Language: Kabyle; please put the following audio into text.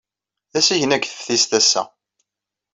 D asigna deg teftist ass-a.